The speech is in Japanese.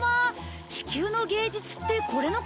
地球の芸術ってこれのこと？